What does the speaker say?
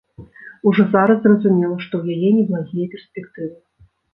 Ужо зараз зразумела, што ў яе неблагія перспектывы.